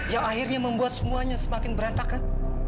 yang akhirnya membuat semuanya semakin berantakan